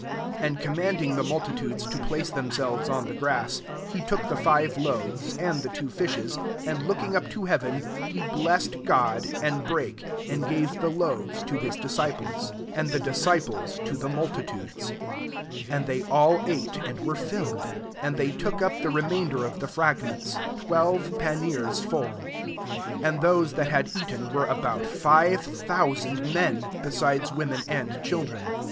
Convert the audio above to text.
19 And commsmding the mul titudes to place themselves on the grass, he took the five loaves, and the two fishes, and looking up to heaven, he blessed God, and brake, and gave the loaves to hU disciples ; and the disciples to the multitudes* 20 And they all ate, and were filled: and they took up the remainder of the fragments, twelve pamuers full. 21 And those that had eaten were about five thousand men, besides women and chil dren.